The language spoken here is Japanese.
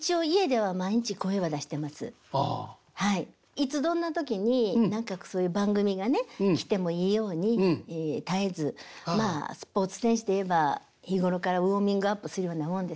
いつどんな時に何かそういう番組がね来てもいいように絶えずまあスポーツ選手で言えば日頃からウォーミングアップするようなもんですよね。